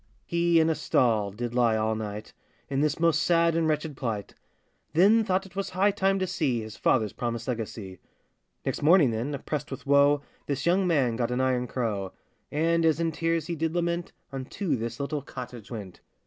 He in a stall did lie all night, In this most sad and wretched plight; Then thought it was high time to see His father's promised legacy. Next morning, then, oppressed with woe, This young man got an iron crow; And, as in tears he did lament, Unto this little cottage went.